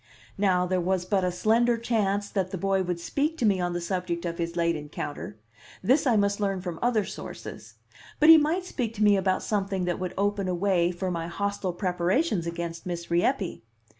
Now, there was but a slender chance that he boy would speak to me on the subject of his late encounter; this I must learn from other sources; but he might speak to me about something that would open a way for my hostile preparations against Miss Rieppe.